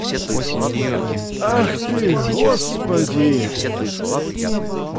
Ах ты, господи!